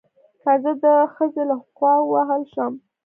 که زه د خځې له خوا ووهل شم